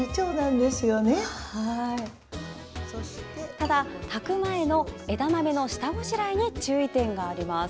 ただ、炊く前の枝豆の下ごしらえに注意点があります。